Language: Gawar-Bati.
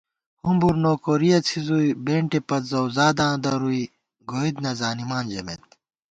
ہُمبر نوکورِیَہ څھِزُوئی بېنٹےپت زَؤزاداں درُوئی گوئیت نہ زانِمان ژمېت